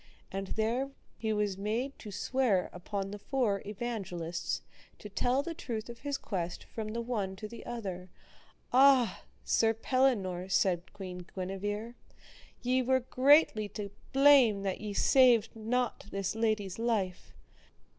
And there he was made to swear upon the Four Evangelists, to tell the truth of his quest from the one to the other. Ah! Sir Pellinore, said Queen Guenever, ye were greatly to blame that ye saved not this lady's life.